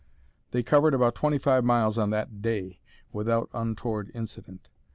They covered about 25 miles on that "day," without untoward incident.